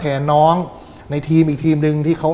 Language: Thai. บางคนก็สันนิฐฐานว่าแกโดนคนติดยาน่ะ